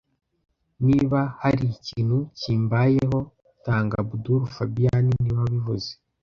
Niba hari ikintu kimbayeho, tanga Abdul fabien niwe wabivuze